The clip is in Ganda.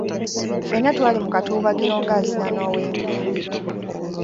Ffenna twali mu katuubagiro nga azina n'ow'enkufu.